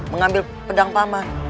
mengambil pedang paman